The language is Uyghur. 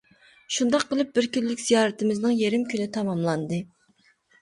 شۇنداق قىلىپ بىر كۈنلۈك زىيارىتىمىزنىڭ يېرىم كۈنى تاماملاندى.